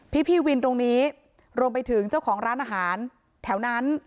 พี่วินตรงนี้รวมไปถึงเจ้าของร้านอาหารแถวนั้น